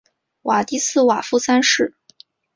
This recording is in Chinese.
瓦迪斯瓦夫三世。